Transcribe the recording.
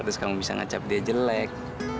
terus kamu bisa ngecap dia jelek